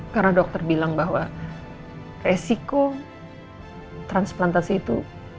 karena dokter bilang bahwa resiko transplantasi itu